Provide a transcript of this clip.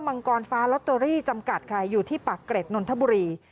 มังกรฟ้าลอตเตอรี่จำกัดค่ะอยู่ที่ปากเกร็ดนนทบุรี